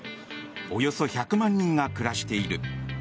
およそ１００万人が暮らしている。